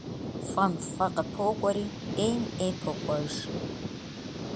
ФӀым фӀы къыпокӀуэри, Ӏейм Ӏей покӀуэж.